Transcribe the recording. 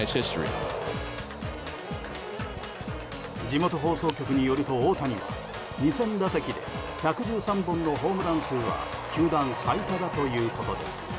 地元放送局によると大谷は２０００打席で１１３本のホームラン数は球団最多だということです。